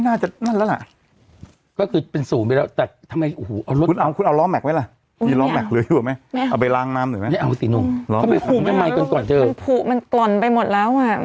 หนักผูกมันหล่นไปหมดแล้ว